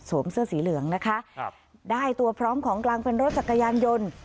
เสื้อสีเหลืองนะคะครับได้ตัวพร้อมของกลางเป็นรถจักรยานยนต์